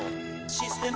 「システマ」